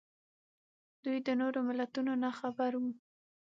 دوی د نورو ملتونو نه خبر وو